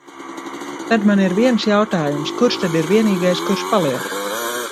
Tad man ir viens jautājums: kurš tad ir vienīgais, kurš paliek?